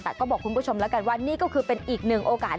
แต่ก็บอกคุณผู้ชมแล้วกันว่านี่ก็คือเป็นอีกหนึ่งโอกาส